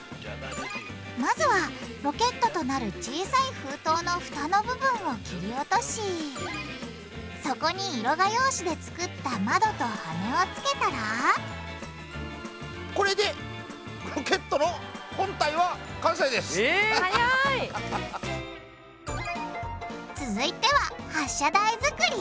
まずはロケットとなる小さい封筒のフタの部分を切り落としそこに色画用紙で作った窓とハネをつけたら続いては発射台作り。